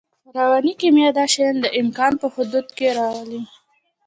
رواني کیمیا دا شیان د امکان په حدودو کې راولي